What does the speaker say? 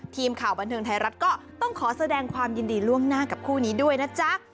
ทีมข่าวบันเทิงไทยรัฐก็ต้องขอแสดงความยินดีล่วงหน้ากับคู่นี้ด้วยนะจ๊ะ